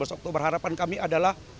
dua belas oktober harapan kami adalah